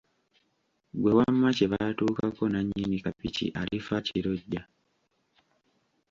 Ggwe wamma kye baatuukako nnannyini kapiki alifa akirojja.